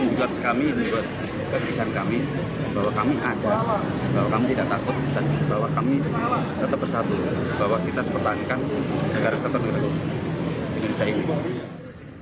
juga kami juga kebijakan kami bahwa kami ada bahwa kami tidak takut